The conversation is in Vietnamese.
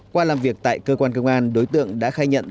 qua làm việc tại cơ quan công an đối tượng đã khai nhận